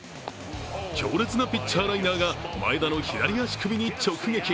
強烈なピッチャーライナーが前田の左足首に直撃。